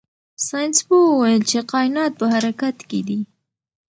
ساینس پوه وویل چې کائنات په حرکت کې دي.